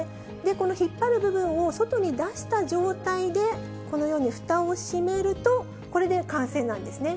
この引っ張る部分を外に出した状態で、このように、ふたを閉めると、これで完成なんですね。